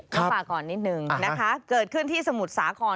ก็ฝากก่อนนิดนึงนะคะเกิดขึ้นที่สมุทรสาคร